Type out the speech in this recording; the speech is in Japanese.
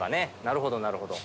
なるほどなるほど。